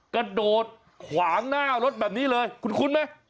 กระโดดขวางหน้ารถแบบนี้เลยคุ้นไหม